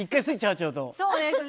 そうですね。